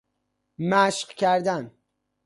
مشق کردن